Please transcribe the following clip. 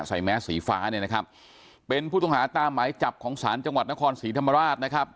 แมสสีฟ้าเนี่ยนะครับเป็นผู้ต้องหาตามหมายจับของศาลจังหวัดนครศรีธรรมราชนะครับ